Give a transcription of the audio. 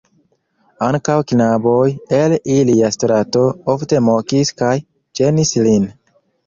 Ankaŭ knaboj el ilia strato ofte mokis kaj ĝenis lin.